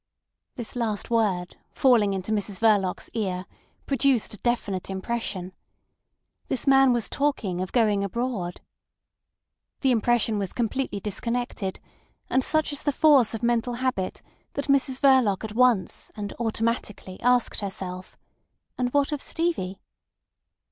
This last word, falling into Mrs Verloc's ear, produced a definite impression. This man was talking of going abroad. The impression was completely disconnected; and such is the force of mental habit that Mrs Verloc at once and automatically asked herself: "And what of Stevie?"